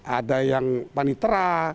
ada yang panitra